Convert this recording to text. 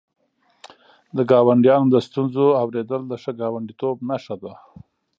د ګاونډیانو د ستونزو اورېدل د ښه ګاونډیتوب نښه ده.